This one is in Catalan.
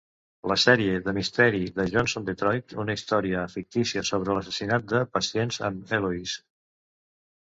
La sèrie de misteri de Johnson Detroit, una història fictícia sobre l'assassinat de pacients en Eloise.